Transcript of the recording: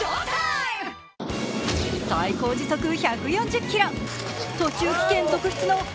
最高時速１４０ｋｍ。